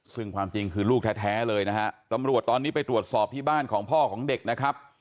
ซึ่งความจริงคือลูกแท้เลยนะฮะตำรวจตอนนี้ไปตรวจสอบที่บ้านของพ่อของเด็กนะครับ